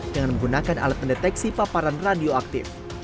dengan menggunakan alat pendeteksi paparan radioaktif